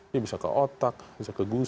ya bisa ke otak bisa ke tubuh